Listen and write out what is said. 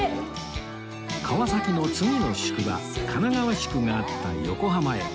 川崎の次の宿場神奈川宿があった横浜へ